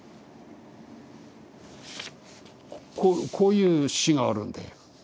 こういう詩があるんだよ。